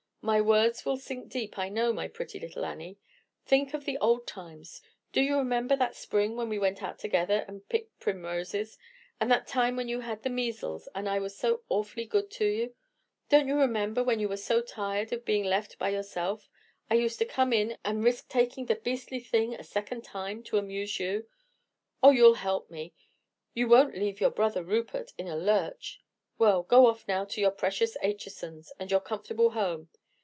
My words will sink deep, I know, my pretty little Annie. Think of the old times. Do you remember that spring when we went out together and picked primroses, and that time when you had the measles, and I was so awfully good to you? Don't you remember when you were so tired of being left by yourself I used to come in, and risk taking the beastly thing a second time, to amuse you? Oh, you'll help me; you won't leave your brother Rupert in a lurch. Well, go off now to your precious Achesons and your comfortable home.